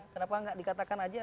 kenapa tidak dikatakan saja